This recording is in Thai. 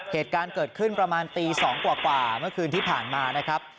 เหตุการณ์เกิดขึ้นประมาณตี๒กว่าเมื่อคืนที่ผ่านมานะครับ